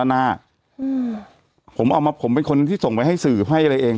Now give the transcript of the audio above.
หน้าอืมผมเอามาผมเป็นคนที่ส่งไว้ให้สื่อให้อะไรเอง